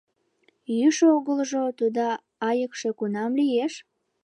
Йӱшӧ огылжо, тудо айыкше кунам лиеш?